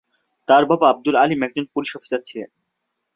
তার বাবা আব্দুল আলি একজন পুলিশ অফিসার ছিলেন।